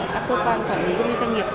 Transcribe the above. các cơ quan quản lý doanh nghiệp